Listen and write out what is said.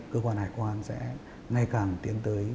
cơ quan hải quan sẽ ngay càng tiến tới